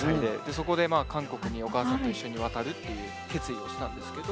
そこで韓国にお母さんと一緒に渡るっていう決意をしたんですけど。